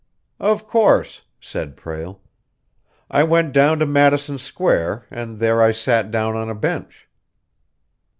"Of course," said Prale. "I went down to Madison Square, and there I sat down on a bench."